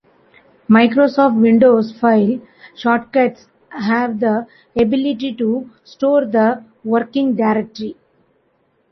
Microsoft Windows file shortcuts have the ability to store the working directory.